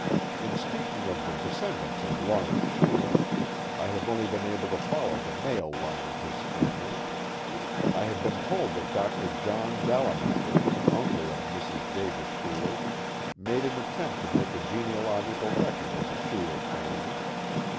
In speaking of the descendants of Lawrence Schuler, I have only been able to follow the male h'ne of his family. I have been told that Dr. John Delamater, uncle of Mrs. Davis Schuler, made an attempt to make a genealogical record of the Schuler family.